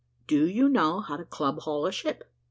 Do you know how to club haul a ship?"